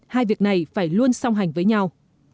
hai việc này phải luôn song hành với nhau